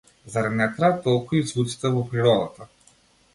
Зарем не траат толку и звуците во природата?